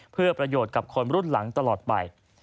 เพื่อประโยชน์กับคนรุ่นหลังตลอดไป